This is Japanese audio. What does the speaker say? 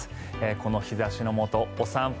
この日差しのもとお散歩。